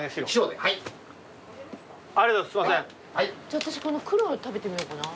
じゃあ私この黒食べてみようかな。